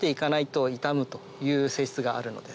という性質があるので。